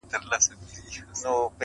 ستا هره گيله مي لا په ياد کي ده~